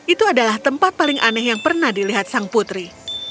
itu adalah tempat paling aneh yang pernah dilihat sang putri